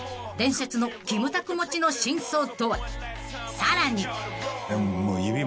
［さらに］